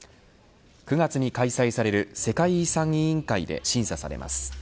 ９月に開催される世界遺産委員会で審査されます。